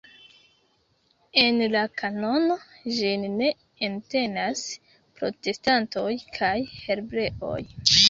En la kanono ĝin ne entenas protestantoj kaj hebreoj.